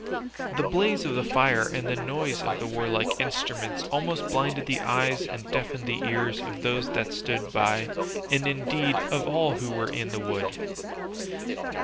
The blaze of the fire and the noise of the warlike instruments almost blinded the eyes and deafened the ears of those that stood by, and indeed of all who were in the wood.